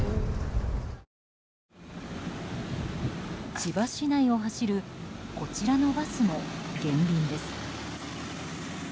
千葉市内を走るこちらのバスも減便です。